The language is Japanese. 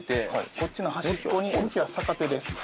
こっちの端っこに向きは逆手で。